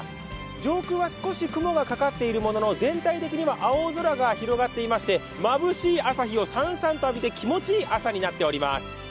上空は少し雲がかかっているものの、全体的には青空が広がっていましてまぶしい朝日をさんさんと浴びていまして気持ちいい朝になっています。